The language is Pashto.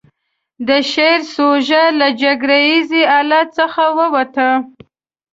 د شعر سوژه له جګړه ييز حالت څخه ووته.